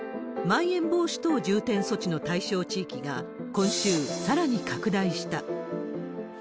まん延防止等重点措置の対象地域が今週、さらに拡大した。